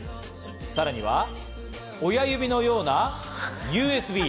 さらには、親指のようなＵＳＢ。